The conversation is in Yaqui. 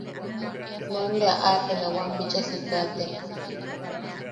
Nuen bea apela wam bicha siika tea.